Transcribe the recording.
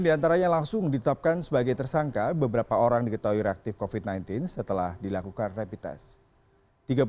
enam diantaranya langsung ditetapkan sebagai tersangka beberapa orang diketahui reaktif covid sembilan belas setelah dilakukan rapid test